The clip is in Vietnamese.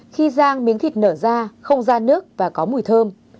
khi giang miếng thịt nở ra không ra nước và có mùi thơm